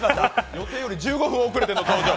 予定より１５分遅れの登場。